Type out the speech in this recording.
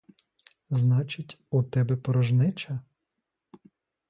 Значить, у тебе порожнеча?